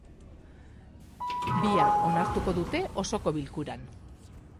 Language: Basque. Bihar onartuko dute osoko bilkuran.